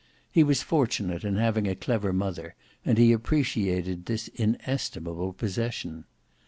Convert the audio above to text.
He was fortunate in having a clever mother, and he appreciated this inestimable possession.